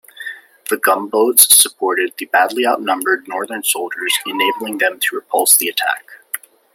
The gunboats supported the badly outnumbered Northern soldiers enabling them to repulse the attack.